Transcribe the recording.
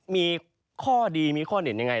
มีข้อดีมีข้อเด่นยังไง